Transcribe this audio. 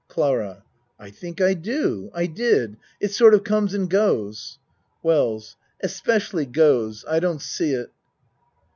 CLARA I think I do I did. It sort of comes and goes. WELLS Especially goes. I don't see it.